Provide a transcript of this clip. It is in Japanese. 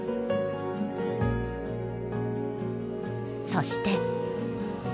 そして。